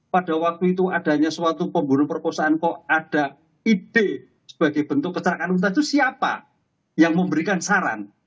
pada waktu itu adanya suatu pembunuh perkosaan kok ada ide sebagai bentuk keterangan lintas itu siapa yang memberikan saran